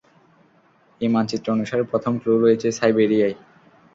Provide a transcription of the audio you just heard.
এই মানচিত্র অনুসারে, প্রথম ক্লু রয়েছে সাইবেরিয়ায়।